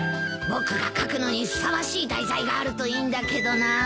僕が描くのにふさわしい題材があるといいんだけどな。